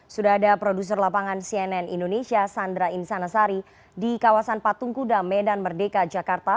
sudah ada produser lapangan cnn indonesia sandra insanasari di kawasan patung kuda medan merdeka jakarta